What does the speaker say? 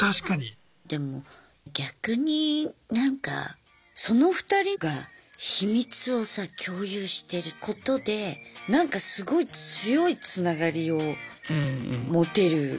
でも逆になんかその２人が秘密をさ共有してることでなんかすごい強いつながりを持てる気もする普通の夫婦より。